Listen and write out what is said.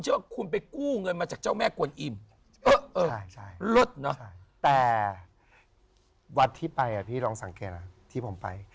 แต่วัดที่ไปพี่ลองสังเกตนะครับที่ผมไป